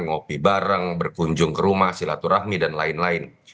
ngopi bareng berkunjung ke rumah silaturahmi dan lain lain